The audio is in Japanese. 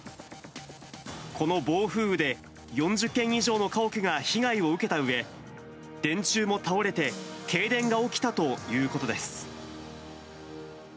この暴風雨で、４０軒以上の家屋が被害を受けたうえ、電柱も倒れて、停電が起きたということです。